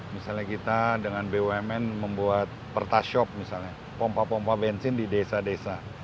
misalnya kita dengan bumn membuat pertas shop misalnya pompa pompa bensin di desa desa